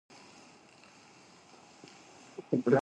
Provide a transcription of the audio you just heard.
頭を土につけ、口に玉をふくむこと。謝罪降伏するときの儀式のこと。